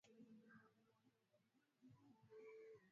Waganda wanaoishi karibu na mpaka wa Tanzania wamekuwa wakivuka mpaka